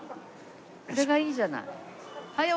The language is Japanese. これがいいじゃない。